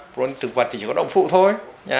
protein thực vật thì chỉ có động phụ thôi